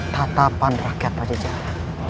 tatapan rakyat pacejaran